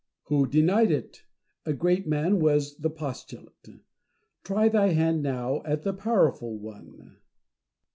Who denied it ? A great man was the postulate. Try thy hand now at the powerful one.